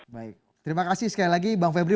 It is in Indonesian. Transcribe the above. baik terima kasih sekali lagi bang febri